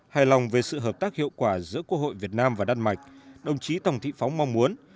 hài lòng về sự hợp tác hiệu quả giữa quốc hội việt nam và đan mạch đồng chí tòng thị phóng mong muốn